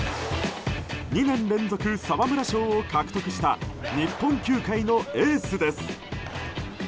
２年連続、沢村賞を獲得した日本球界のエースです。